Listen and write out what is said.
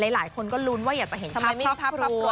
หลายคนก็ลุ้นว่าอยากจะเห็นสมาธิภาพครอบครัว